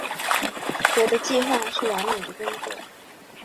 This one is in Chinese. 我的计划是完美的工作。